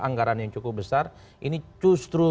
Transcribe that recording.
anggaran yang cukup besar ini justru